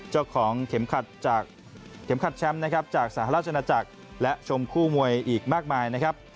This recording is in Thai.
เจ้าของเข็มขัดแชมป์จากสหราชนัจจักรและชมคู่มวยอีกมากมายนะครับ